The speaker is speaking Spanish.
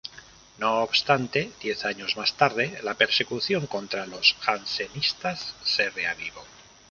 No obstante, diez años más tarde, la persecución contra los jansenistas se reavivó.